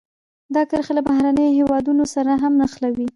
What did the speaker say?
دا کرښې له بهرنیو هېوادونو سره هم نښلوي.